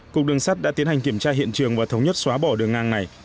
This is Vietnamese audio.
cục đường sắt đã tiến hành kiểm tra hiện trường và thống nhất xóa bỏ đường ngang này